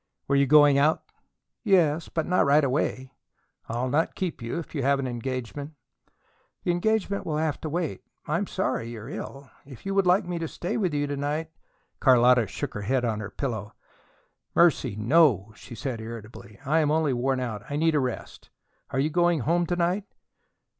"Were you going out?" "Yes; but not right away." "I'll not keep you if you have an engagement." "The engagement will have to wait. I'm sorry you're ill. If you would like me to stay with you tonight " Carlotta shook her head on her pillow. "Mercy, no!" she said irritably. "I'm only worn out. I need a rest. Are you going home to night?"